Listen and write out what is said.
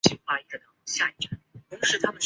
塔夸里廷加是巴西圣保罗州的一个市镇。